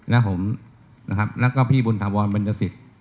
และผมนะครับแล้วก็พี่บุญถาวรบัญญสิทธิ์